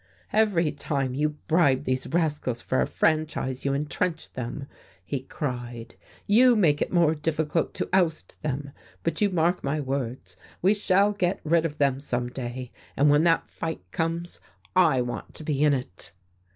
"Every time you bribe these rascals for a franchise you entrench them," he cried. "You make it more difficult to oust them. But you mark my words, we shall get rid of them some day, and when that fight comes, I want to be in it."